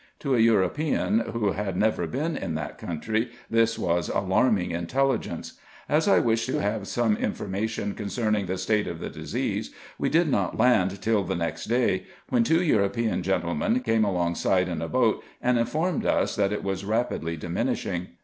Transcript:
To a European, who had never been in that country, this was alarming intelligence. As I wished to have some information concerning the state of the disease, we did not land till the next day, when two European gentlemen came alongside in a boat, and informed us, that it was rapidly diminishing.